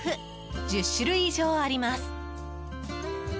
１０種類以上あります。